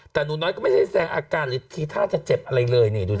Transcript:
แต่หนูน้อยก็ไม่ใช่แซงอาการหรือทีท่าจะเจ็บอะไรเลยนี่ดูสิ